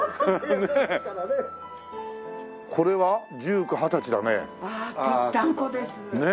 これは十九二十歳だね。